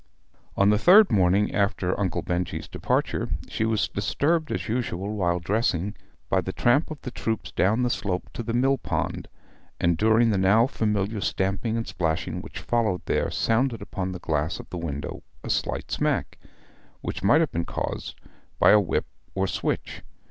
On the third morning after Uncle Benjy's departure, she was disturbed as usual while dressing by the tramp of the troops down the slope to the mill pond, and during the now familiar stamping and splashing which followed there sounded upon the glass of the window a slight smack, which might have been caused by a whip or switch.